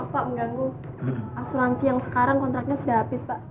pak mengganggu asuransi yang sekarang kontraknya sudah habis pak